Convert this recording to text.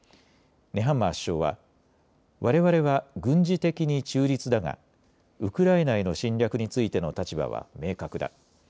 ネハンマー首相はわれわれは軍事的に中立だがウクライナへの侵略についての立場は明確だ。